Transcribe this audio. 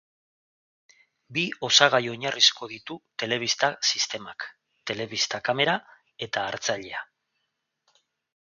Bi osagai oinarrizko ditu telebista sistemak: telebista kamera eta hartzailea.